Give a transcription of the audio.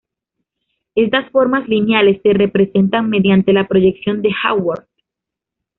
Estas formas lineales se representan mediante la proyección de Haworth.